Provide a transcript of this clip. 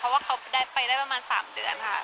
เพราะว่าเขาได้ไปได้ประมาณ๓เดือนค่ะ